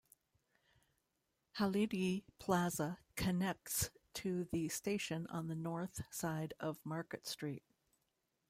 Hallidie Plaza connects to the station on the north side of Market Street.